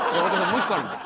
もう一個あるんで。